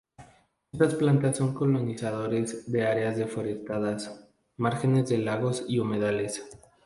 Estas plantas son colonizadores de áreas deforestadas, márgenes de lagos, y humedales.